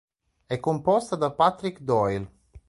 È composta da Patrick Doyle.